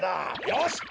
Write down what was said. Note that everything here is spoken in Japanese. よし！